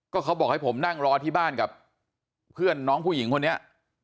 ก็เขาบอกให้ผมนั่งรอที่บ้านกับเพื่อนน้องผู้หญิงคนนี้